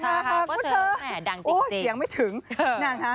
ค่ะค่ะก็เธอแหม่ดังจริงอู้ยเสียงไม่ถึงนั่นค่ะ